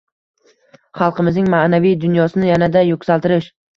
xalqimizning ma’naviy dunyosini yanada yuksaltirish;